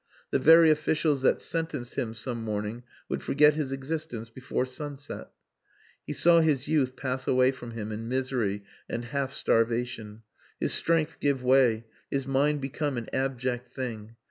The very officials that sentenced him some morning would forget his existence before sunset. He saw his youth pass away from him in misery and half starvation his strength give way, his mind become an abject thing.